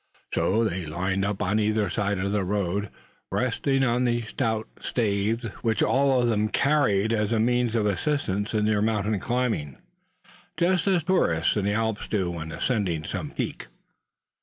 So they lined up on either side of the road, resting on the stout staves which all of them carried as a means of assistance in their mountain climbing; just as tourists in the Alps do when ascending some peak.